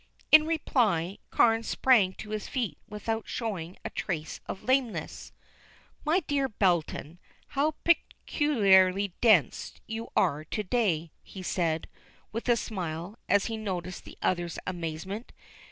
In reply Carne sprang to his feet without showing a trace of lameness. "My dear Belton, how peculiarly dense you are to day," he said, with a smile, as he noticed the other's amazement.